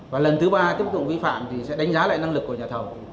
và lần thứ ba tiếp tục vi phạm thì sẽ đánh giá lại năng lực của nhà thầu